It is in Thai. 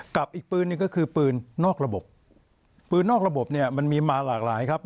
กับอีกปืนหนึ่งก็คือปืนนอกระบบปืนนอกระบบเนี่ยมันมีมาหลากหลายครับ